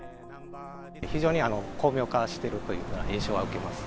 非常に巧妙化してるという印象は受けます。